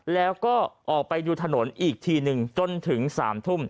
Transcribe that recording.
แล้วก็ออกไปดูถนนอีกทีหนึ่งจนถึง๓ทุ่ม